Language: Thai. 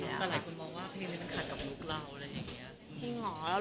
แต่หลายคนมองว่าเพลงนี้มันขัดกับลุคเราอะไรอย่างนี้